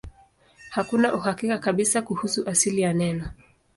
Hakuna uhakika kabisa kuhusu asili ya neno.